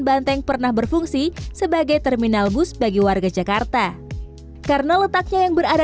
banteng pernah berfungsi sebagai terminal bus bagi warga jakarta karena letaknya yang berada